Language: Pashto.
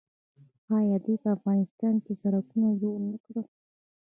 آیا دوی په افغانستان کې سړکونه جوړ نه کړل؟